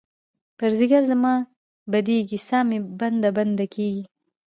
پر ځیګــر زما بیدیږې، سا مې بنده، بنده کیږې